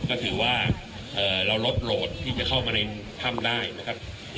ก็ถือว่าเราลดโหลดที่จะเข้ามาในถ้ำได้นะครับ